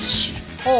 ああ。